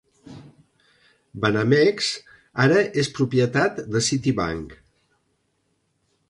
Banamex ara és propietat de Citibank.